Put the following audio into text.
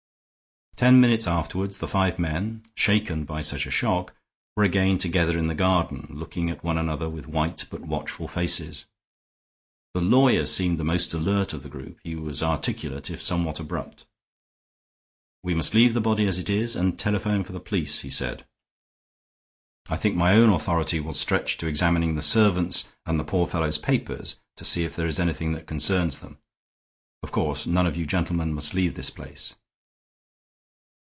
Ten minutes afterward the five men, shaken by such a shock, were again together in the garden, looking at one another with white but watchful faces. The lawyer seemed the most alert of the group; he was articulate if somewhat abrupt. "We must leave the body as it is and telephone for the police," he said. "I think my own authority will stretch to examining the servants and the poor fellow's papers, to see if there is anything that concerns them. Of course, none of you gentlemen must leave this place."